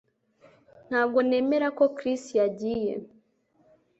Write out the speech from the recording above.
Ntabwo nemera ko Chris yagiye